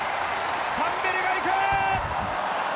タンベリが行く！